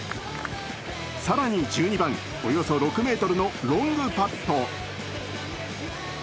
更に１２番、およそ６ｍのロングパット。